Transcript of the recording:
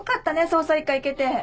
捜査一課行けて。